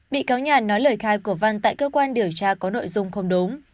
bị cáo nhàn nói lời khai của văn tại cơ quan điều tra có nội dung không đúng